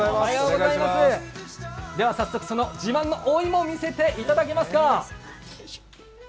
早速その自慢のお芋を見せていただけますか。